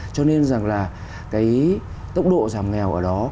cho nên rằng là cái tốc độ giảm nghèo ở đó